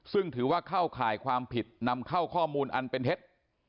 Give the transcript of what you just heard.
ซึ่งถือว่าเข้าข่ายความผิดนำเข้าข้อมูลอันเป็นเท็จ